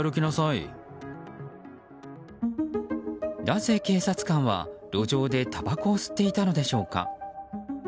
なぜ警察官は、路上でたばこを吸っていたのでしょうか。